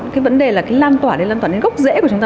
cái vấn đề là cái lan tỏa đến lan tỏa đến gốc rễ của chúng ta